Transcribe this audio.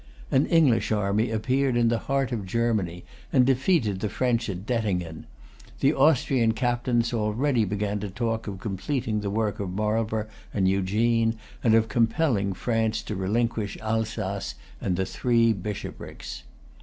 An English army appeared in the heart of Germany, and defeated the French at Dettingen. The Austrian captains already began to talk of completing the work of Marlborough and Eugene, and of compelling France to relinquish Alsace and the Three Bishoprics.